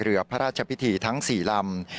เรือพระราชพิธีทั้ง๔ลำ